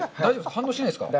反応しないですか？